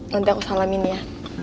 nanti aku salamin ya